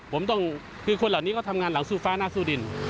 ผมต้องคือคนเหล่านี้ก็ทำงานหลังสู้ฟ้าหน้าสู้ดิน